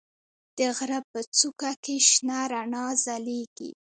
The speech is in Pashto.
د غره په څوکه کې شنه رڼا ځلېږي.